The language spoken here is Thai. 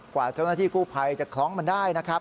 กว่าเจ้าหน้าที่กู้ภัยจะคล้องมันได้นะครับ